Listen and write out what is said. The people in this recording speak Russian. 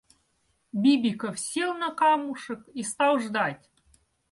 Бибиков сел на камушек и стал ждать.